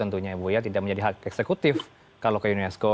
tidak menjadi hak eksekutif kalau ke unesco